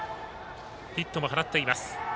ヒットも放っています。